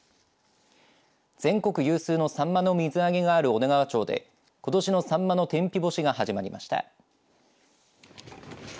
全国有数のさんまの水揚げがある女川町でことしのさんまの天日干しが始まりました。